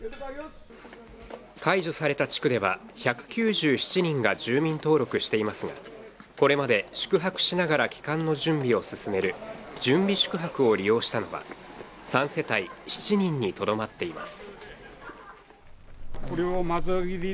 解除された地区では１９７人が住民登録していますが、これまで宿泊しながら帰還の準備を進める準備宿泊を利用したのは３世帯７人にとどまっています。